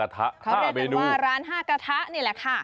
ถ้ามาเป็นกระทะก็จะรู้ได้ดีเลยตรงนั้น